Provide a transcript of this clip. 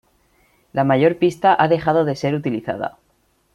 La mayor pista ha dejado de ser utilizada.